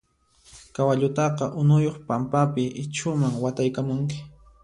Kawallutaqa unuyuq pampapi ichhuman wataykamunki.